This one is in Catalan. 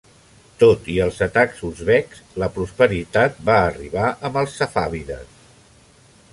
Tot i els atacs uzbeks, la prosperitat va arribar amb els safàvides.